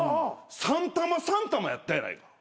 ３玉３玉やったやないか。